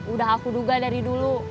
udah aku duga dari dulu